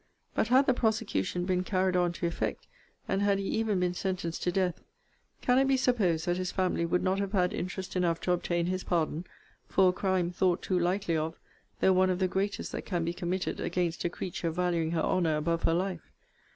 But had the prosecution been carried on to effect, and had he even been sentenced to death, can it be supposed that his family would not have had interest enough to obtain his pardon, for a crime thought too lightly of, though one of the greatest that can be committed against a creature valuing her honour above her life?